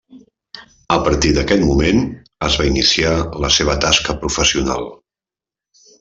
A partir d'aquest moment es va iniciar la seva tasca professional.